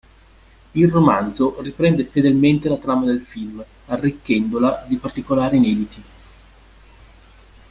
Il romanzo riprende fedelmente la trama del film, arricchendola di particolari inediti.